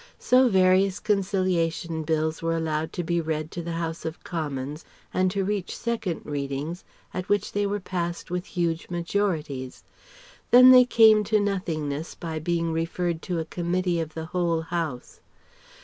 So various Conciliation Bills were allowed to be read to the House of Commons and to reach Second readings at which they were passed with huge majorities. Then they came to nothingness by being referred to a Committee of the whole House.